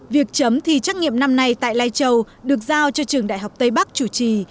việc chấm thi trắc nghiệm năm nay tại lai châu được giao cho trường đại học tây bắc chủ trì